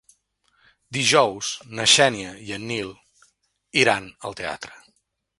Dijous na Xènia i en Nil iran al teatre.